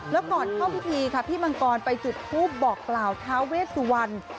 แล้วก่อนเข้าพิธีค่ะพี่มังกรไปจุดทูปบอกกล่าวท้าเวสวรรณ